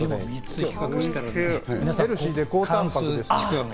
ヘルシーで高たんぱくですか